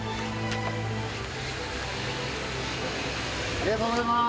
ありがとうございます。